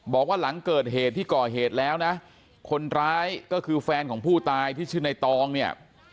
บอกว่าหลังเกิดเหตุที่ก่อเหตุแล้วนะคนร้ายก็คือแฟนของผู้ตายที่ชื่อในตองเนี่ย